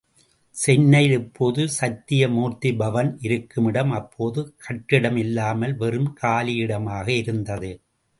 சென்னையில் இப்போது சத்தியமூர்த்திபவன் இருக்கும் இடம் அப்போது கட்டிடம் இல்லாமல் வெறும் காலி இடமாக இருந்தது.